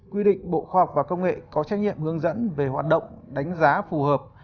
quy định bộ khoa học và công nghệ có trách nhiệm hướng dẫn về hoạt động đánh giá phù hợp